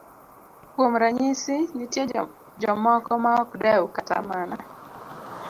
Kuom ranyisi, nitie jomoko maok dew kata mana